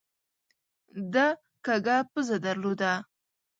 ده کږه پزه درلوده.